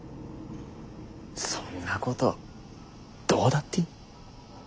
そんなことどうだっていい。